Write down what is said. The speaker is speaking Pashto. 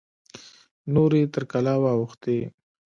نورې تر کلا واوښتې.